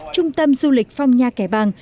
trung tâm du lịch phong nha cải bàng